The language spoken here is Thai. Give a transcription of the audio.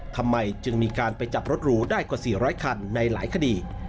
ทำไมจึงมีการไปจับรถหรูได้กว่า๔๐๐คันในหลายคดี